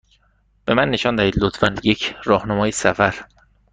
به من نشان دهید، لطفا، یک راهنمای سفر.